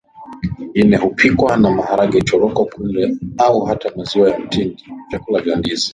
nyingine hupikwa na maharage choroko kunde au hata maziwa ya mtindi Vyakula vya ndizi